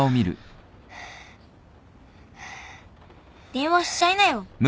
電話しちゃいなよ。